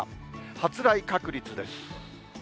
発雷確率です。